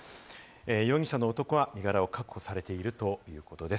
容疑者の男は身柄を確保されているということです。